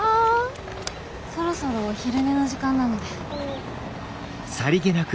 そろそろお昼寝の時間なので。